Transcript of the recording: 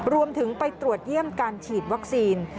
รวมไปถึงไปตรวจเยี่ยมการฉีดวัคซีน